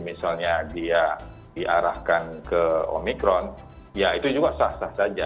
misalnya dia diarahkan ke omikron ya itu juga sah sah saja